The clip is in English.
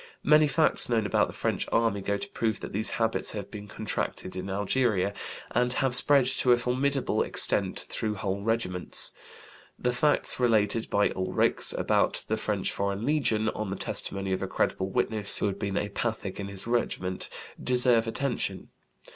Many facts known about the French army go to prove that these habits have been contracted in Algeria, and have spread to a formidable extent through whole regiments. The facts related by Ulrichs about the French foreign legion, on the testimony of a credible witness who had been a pathic in his regiment, deserve attention (Ara Spei, p. 20; Memnon, p.